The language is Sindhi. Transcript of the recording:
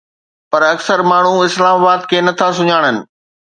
پر اڪثر ماڻهو اسلام آباد کي نٿا سڃاڻن